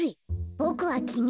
ボクはきみ。